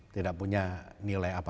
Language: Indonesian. tidak punya nilai apa